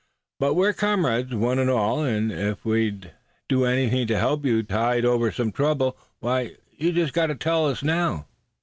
But we're comrades, one and all; and if we c'n do anything to help you tide over some trouble, why, you've just got to tell now."